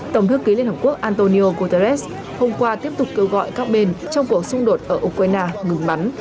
tổng thư ký liên hợp quốc antonio guterres hôm qua tiếp tục kêu gọi các bên trong cuộc xung đột ở ukraine ngừng bắn